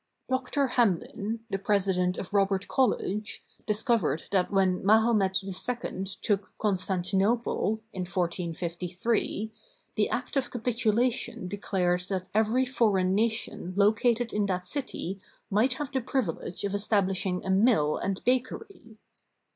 Dr. Hamlin, the President of Robert College, discovered that when Mahomet II took Constantinople, in 1453, the act of capitulation declared that every foreign nation located in that city might have the privilege of establishing a mill and bakery.